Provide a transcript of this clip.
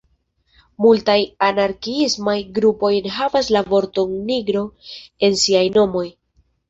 Multaj anarkiismaj grupoj enhavas la vorton "nigro" en siaj nomoj.